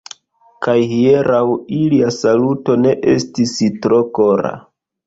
Kaj hieraŭ ilia saluto ne estis tro kora.